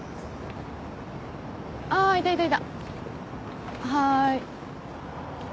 あいたいたいたはい。